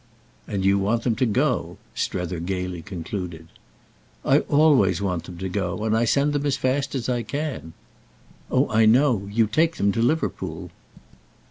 "And you want them to go!" Strether gaily concluded. "I always want them to go, and I send them as fast as I can.' "Oh I know—you take them to Liverpool."